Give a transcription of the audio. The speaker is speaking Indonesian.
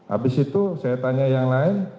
habis itu saya tanya yang lain